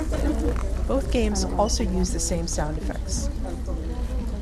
Both games also use the same sound effects.